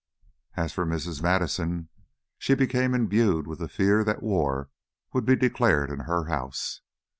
As for Mrs. Madison, she became imbued with the fear that war would be declared in her house.